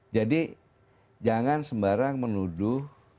jadi jangan sembarang menuduh